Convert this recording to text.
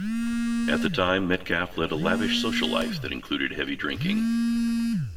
At the time Metcalf led a lavish social life that included heavy drinking.